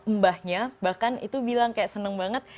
mbahnya bahkan itu bilang kayak seneng banget